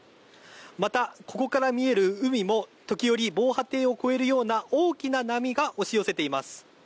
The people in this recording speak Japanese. また、ここから見える海も時折、防波堤を越えるような大きな波が押し寄せています。